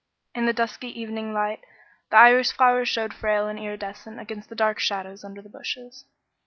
In the dusky evening light the iris flowers showed frail and iridescent against the dark shadows under the bushes.